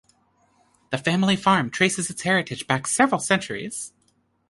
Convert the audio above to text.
The family farm traces its heritage back several centuries.